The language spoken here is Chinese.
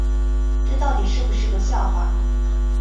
这到底是不是个笑话